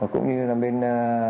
cũng như là bên